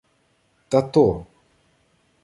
— Та то.